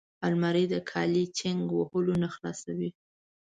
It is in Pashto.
الماري د کالي چینګ وهلو نه خلاصوي